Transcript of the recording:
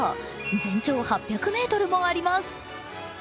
全長８００ｍもあります。